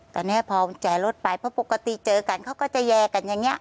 ตอนนี้พอกุญแจรถไปเพราะปกติเจอกันเขาก็จะแยกันอย่างนี้